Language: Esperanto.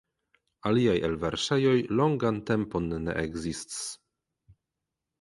Aliaj elverŝejoj longan tempon ne ekzsits.